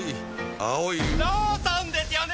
青い海、ローソンですよね。